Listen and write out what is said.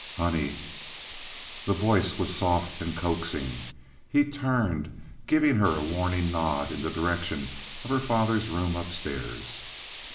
"Honey!" The voice was soft and coaxing. He turned, giving her a warning nod in the direction of her father's room upstairs.